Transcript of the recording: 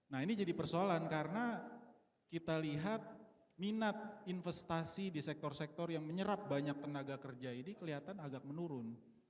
nah ini jadi persoalan karena kita lihat minat investasi di sektor sektor yang menyerap banyak tenaga kerja ini kelihatan agak menurun